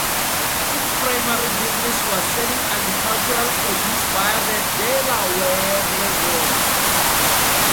Its primary business was selling agricultural produce via the Delaware Railroad.